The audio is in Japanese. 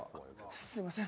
すみません。